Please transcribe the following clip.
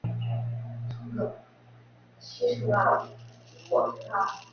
可以用全硫代锑酸盐加酸来制备它。